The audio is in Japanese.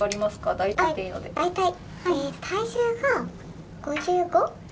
大体体重が５５。